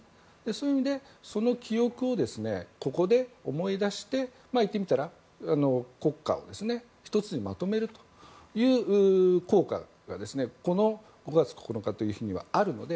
そういう意味でその記憶をここで思い出して言ってみたら国家を１つにまとめるという効果がこの５月９日という日にはあるので。